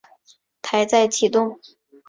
台在其东。